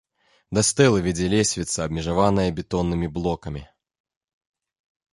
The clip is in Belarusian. Да стэлы вядзе лесвіца, абмежаваная бетоннымі блокамі.